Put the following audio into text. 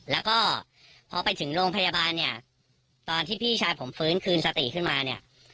แล้วก็พอไปถึงโรงพยาบาลเนี่ยตอนที่พี่ชายผมฟื้นคืนสติขึ้นมาเนี่ย